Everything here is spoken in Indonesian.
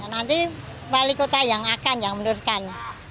nanti wali kota yang akan yang meneruskan